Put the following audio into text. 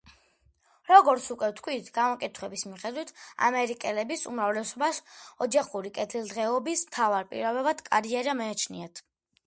როგორც უკვე ვთქვით, გამოკითხვების მიხედვით, ამერიკელების უმრავლესობას ოჯახური კეთილდღეობის მთავარ პირობად კარიერა მიაჩნია.